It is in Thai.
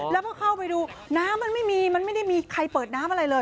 แล้วพอเข้าไปดูน้ำมันไม่มีมันไม่ได้มีใครเปิดน้ำอะไรเลย